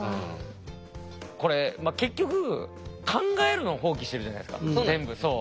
これ結局考えるのを放棄してるじゃないですか全部そう。